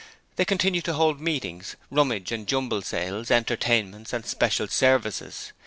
They continued to hold meetings, rummage and jumble sales, entertainments and special services.